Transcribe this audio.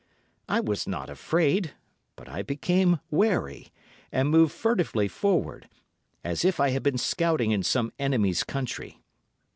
I was not afraid, but I became wary, and moved furtively forward, as if I had been scouting in some enemy's country.